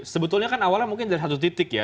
sebetulnya kan awalnya mungkin dari satu titik ya